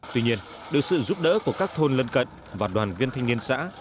tuy nhiên được sự giúp đỡ của các thôn lân cận và đoàn viên thanh niên xã